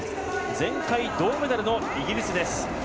前回銅メダルのイギリスです。